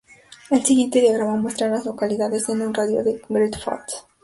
El siguiente diagrama muestra a las localidades en un radio de de Great Falls.